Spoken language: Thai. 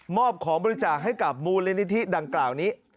อบของบริจาคให้กับมูลนิธิดังกล่าวนี้